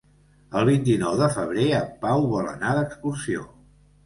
El vint-i-nou de febrer en Pau vol anar d'excursió.